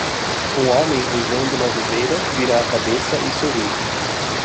Um homem usando uma viseira vira a cabeça e sorri.